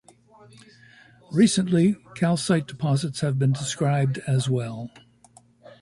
Recently, calcite deposits have been described as well.